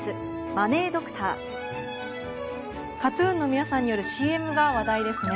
マネードクターＫＡＴ−ＴＵＮの皆さんによるＣＭが話題ですね。